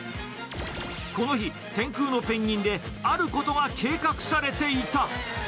この日、天空のペンギンで、あることが計画されていた。